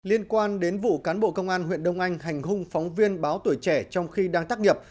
liên quan đến vụ cán bộ công an huyện đông anh hành hung phóng viên báo tuổi trẻ trong khi đang tác nghiệp